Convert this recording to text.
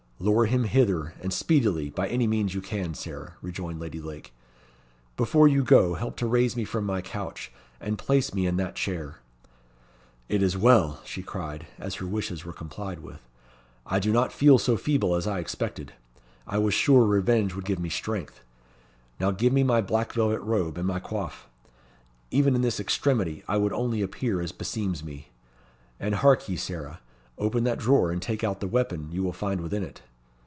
"Lure him hither, and speedily, by any means you can, Sarah," rejoined Lady Lake. "Before you go, help to raise me from my couch, and place me in that chair. It is well," she cried, as her wishes were complied with. "I do not feel so feeble as I expected. I was sure revenge would give me strength. Now give me my black velvet robe, and my coif. Even in this extremity I would only appear as beseems me. And hark ye, Sarah, open that drawer, and take out the weapon you will find within it.